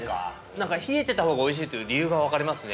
なんか冷えてたほうがおいしいという理由が分かりますね。